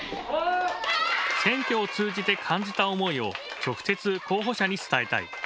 選挙を通じて感じた思いを直接、候補者に伝えたい。